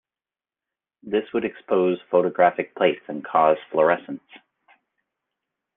This would expose photographic plates and cause fluorescence.